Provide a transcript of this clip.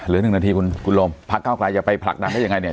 เหลือหนึ่งนาทีคุณคุณโรมพักก้าวไกลจะไปผลักดังได้ยังไงเนี้ย